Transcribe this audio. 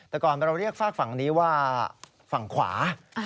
แต่ก่อนเราเรียกฝากฝั่งนี้ว่าฝั่งขวา